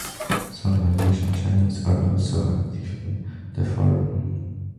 Some Malaysian Chinese are also active in the forum.